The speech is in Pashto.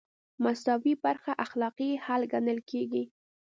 مساوي برخه اخلاقي حل ګڼل کیږي.